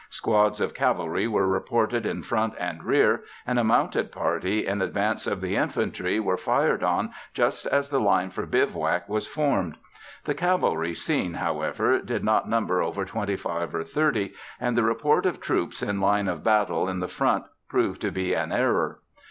Squads of cavalry were reported in front and rear, and a mounted party, in advance of the infantry, were fired on just as the line for bivouac was formed. The cavalry seen, however, did not number over twenty five or thirty; and the report of troops in line of battle in the front proved to be an error. Mr.